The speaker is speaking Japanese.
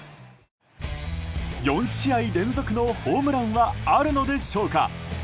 ４試合連続のホームランはあるのでしょうか。